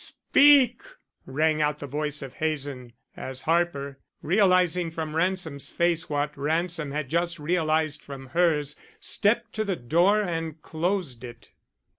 "Speak!" rang out the voice of Hazen, as Harper, realizing from Ransom's face what Ransom had just realized from hers, stepped to the door and closed it.